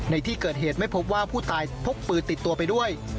ในที่เกิดเหตุไม่พบว่าผู้ตายพกปืนติดตัวไปด้วย